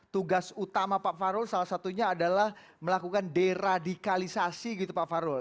tugas utama pak farul salah satunya adalah melakukan deradikalisasi gitu pak farul